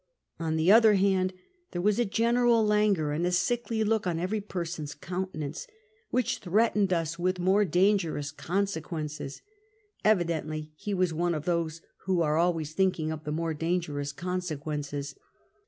On the other hand, there was a general languor and a sickly look on every person's countenance, " which threatened us with more dangerous consequences" — evidently he was one of those who are always thinking of the more dangerous consequences.